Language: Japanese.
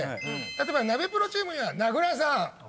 例えばナベプロチームには名倉さん。